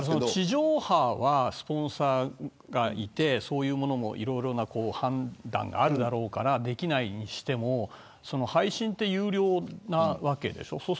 地上波は、スポンサーがいていろいろ判断があるだろうからできないにしても配信は有料なわけでしょ。